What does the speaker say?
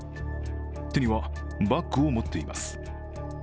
手にはバッグを持っています。